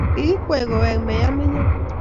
Kigikwey koek meya nenyo---